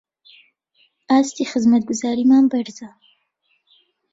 ئاستی خزمەتگوزاریمان بەرزە